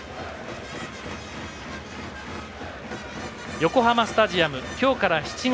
横浜スタジアム今日から７月。